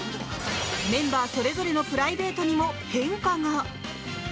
メンバーそれぞれのプライベートにも変化が。